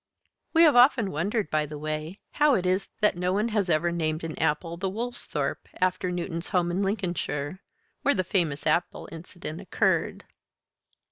(We have often wondered, by the way, how it is that no one has ever named an apple the Woolsthorpe after Newton's home in Lincolnshire, where the famous apple incident occurred.)